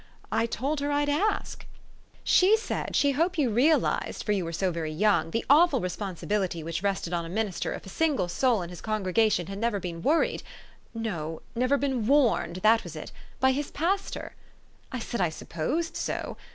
I told her I'd ask. She said she hoped you realized, for you were so very young, the awful responsibility which rested on a minister if a single soul in his congregation had never been worried no, never been warned, that was it by his pastor. I said I supposed so.